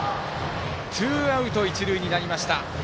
ツーアウト、一塁になりました。